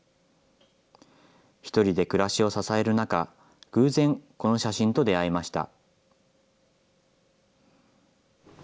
１人で暮らしを支える中、偶然、この写真と出会いました。